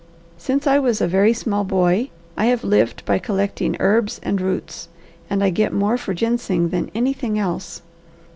Since I was a very small boy I have lived by collecting herbs and roots, and I get more for ginseng than anything else.